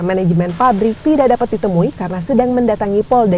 manajemen pabrik tidak dapat ditemui karena sedang mendatangi polda